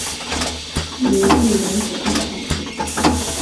吕利人口变化图示